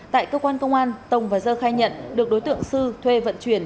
tại cơ quan công an tổng và dơ khai nhận được đối tượng sư thuê vận chuyển